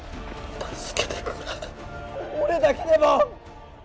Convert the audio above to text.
助けてくれ俺だけでも！